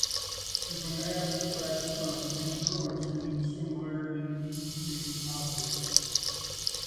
As an abstract term, congruence means similarity between objects.